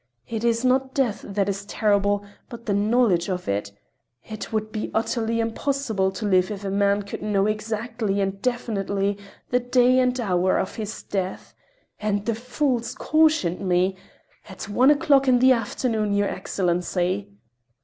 It is not death that is terrible, but the knowledge of it: it would be utterly impossible to live if a man could know exactly and definitely the day and hour of his death. And the fools cautioned me: 'At one o'clock in the afternoon, your Excellency!